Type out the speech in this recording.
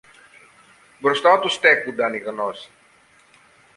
Μπροστά του στέκουνταν η Γνώση.